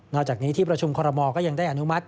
จากนี้ที่ประชุมคอรมอลก็ยังได้อนุมัติ